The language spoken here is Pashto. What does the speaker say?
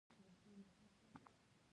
ام سلمې د استاد مهدي مثال ورکړ.